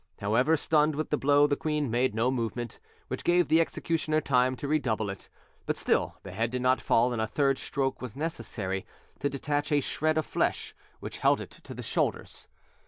However, stunned with the blow, the queen made no movement, which gave the executioner time to redouble it; but still the head did not fall, and a third stroke was necessary to detach a shred of flesh which held it to the shoulders.